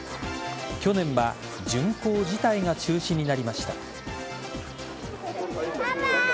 去年は巡行自体が中止になりました。